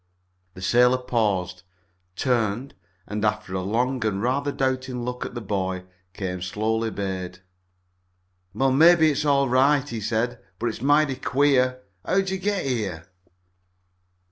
The sailor paused, turned, and, after a long and rather doubting look at the boy, came slowly bade. "Well, maybe it's all right," he said, "but it's mighty queer. How'd ye git here?"